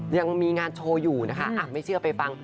ยังมีงานโชว์อยู่นะคะไม่เชื่อไปฟัง